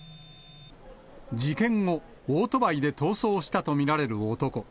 事件後、オートバイで逃走したと見られる男。